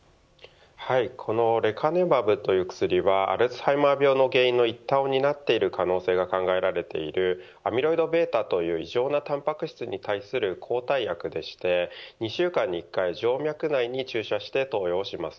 このレカネマブという薬はアルツハイマー病の原因の一端を担っている可能性が考えられているアミロイドβという異常なタンパク質に対する抗体薬でして２週間に１回静脈内に注射して投与をします。